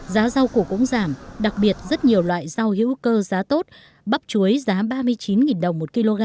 giá rau củ cũng giảm đặc biệt rất nhiều loại rau hữu cơ giá tốt bắp chuối giá ba mươi chín đồng một kg